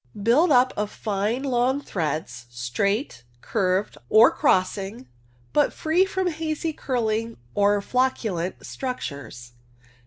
Built up of fine long threads, straight, curved, or crossing, but free from hazy curling or flocculent structures.